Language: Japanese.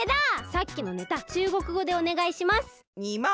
さっきのネタ中国語でおねがいします！